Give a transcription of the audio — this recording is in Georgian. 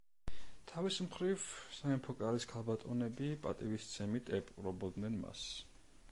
თავის მხრივ, სამეფო კარის ქალბატონები პატივისცემით ეპყრობოდნენ მას.